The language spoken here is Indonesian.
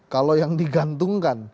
kalau yang digantungkan